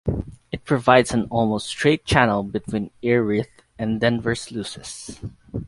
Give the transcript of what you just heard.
It provides an almost straight channel between Earith and Denver Sluices.